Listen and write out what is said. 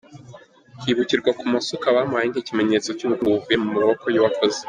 Hibukirwa ku masuka bamuhaye nk’ikimenyetso cy’ubukungu buvuye mu maboko y’uwakoze.